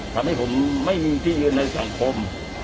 ทำให้ผมไม่มีที่ยืนในสังคม